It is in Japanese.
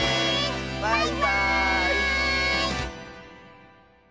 バイバーイ！